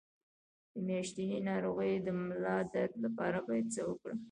د میاشتنۍ ناروغۍ د ملا درد لپاره باید څه وکړم؟